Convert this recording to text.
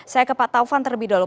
saya ke pak taufan terlebih dahulu